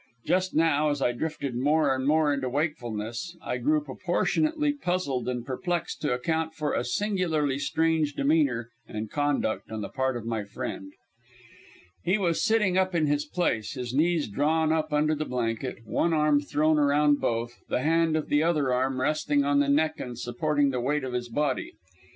Just now, as I drifted more and more into wakefulness, I grew proportionately puzzled and perplexed to account for a singularly strange demeanour and conduct on the part of my friend. He was sitting up in his place, his knees drawn up under the blanket, one arm thrown around both, the hand of the other arm resting on the neck and supporting the weight of his body.